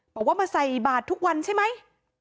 บอกว่ามาใส่บาททุกวันใช่ไหม